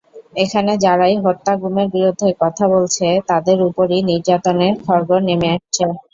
এখানে যারাই হত্যা-গুমের বিরুদ্ধে কথা বলছে, তাদের ওপরই নির্যাতনের খড়্গ নেমে আসছে।